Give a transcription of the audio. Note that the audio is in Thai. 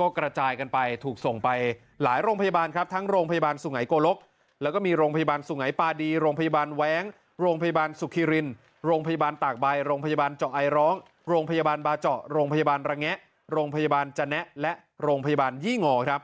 ก็กระจายกันไปถูกส่งไปหลายโรงพยาบาลครับทั้งโรงพยาบาลสุไงโกลกแล้วก็มีโรงพยาบาลสุงัยปาดีโรงพยาบาลแว้งโรงพยาบาลสุขิรินโรงพยาบาลตากใบโรงพยาบาลเจาะไอร้องโรงพยาบาลบาเจาะโรงพยาบาลระแงะโรงพยาบาลจนะและโรงพยาบาลยี่งอครับ